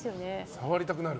触りたくなる？